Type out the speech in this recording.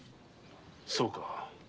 そうか。